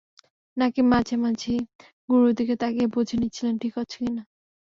নাকিব মাঝে মাঝেই গুরুর দিকে তাকিয়ে বুঝে নিচ্ছিলেন, ঠিক হচ্ছে কিনা।